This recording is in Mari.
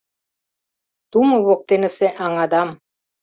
Тумо воктенысе аҥадам.